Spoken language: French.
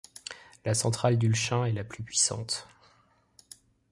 La centrale d'Ulchin est la plus puissante.